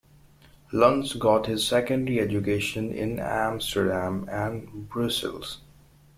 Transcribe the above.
Luns got his secondary education in Amsterdam and Brussels.